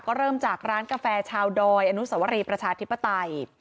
ก็เริ่มจากร้านกาแฟชาวดอยอนุสวรีประชาธิปไตย